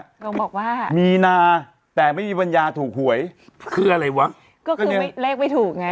ลงบอกว่ามีนาแต่ไม่มีปัญญาถูกหวยคืออะไรวะก็คือไม่เลขไม่ถูกไง